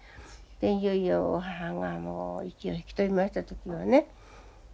いよいよ母が息を引き取りました時はね